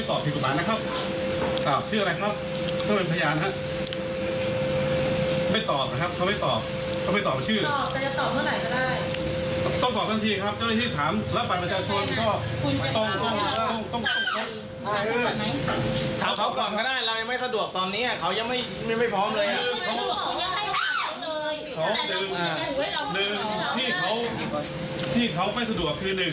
ขอบคุณครับ๑ที่เขาไม่สะดวกคือ๑เขาให้ประมาณสะดวกมาแล้ว